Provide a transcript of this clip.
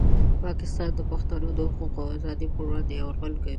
پاکستان د پښتنو د حقونو او ازادۍ په وړاندې یرغل کوي.